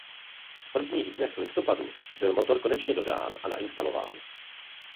V prvních dnech listopadu byl motor konečně dodán a nainstalován.